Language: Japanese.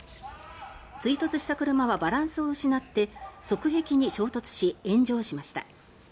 追突した車はバランスを失って側壁に衝突し、炎上しました。